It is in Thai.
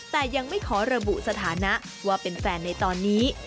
แต่ยังไม่ขอระบุสถานะว่าเป็นแฟนในตอนนี้